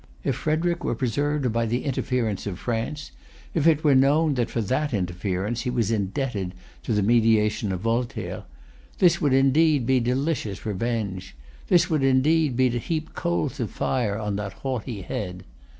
If Frederic were preserved by the interference of France, if it were known that for that interference he was indebted to the mediation of Voltaire, this would indeed be delicious revenge; this would indeed be to heap coals of fire on that haughty head.